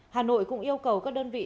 hà nội cũng yêu cầu các đơn vị